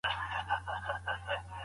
لښتې د وچو لرګیو د سوزېدو غږ اورېده.